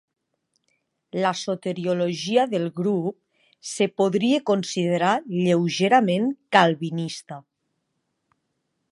La soteriologia del grup es podria considerar lleugerament calvinista.